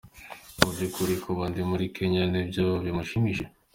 Mu by’ukuri kuba ndi muri Kenya ni byo bimushimishije?.